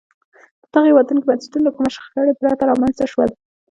په دغو هېوادونو کې بنسټونه له کومې شخړې پرته رامنځته شول.